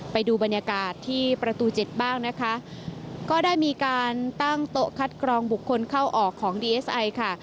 ไปดูบรรยากาศที่ประตูเจ็ดบ้างนะคะก็ได้มีการตั้งโต๊ะคัดกรองบุคคลเข้าออกของดีเอสไอค่ะ